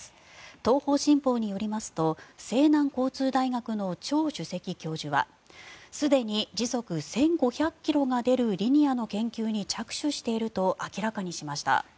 東方新報によりますと西南交通大学のチョウ主席教授はすでに時速１５００ｋｍが出るリニアの研究に着手していると明らかにしました。